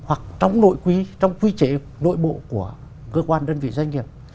hoặc trong nội quy trong quy chế nội bộ của cơ quan đơn vị doanh nghiệp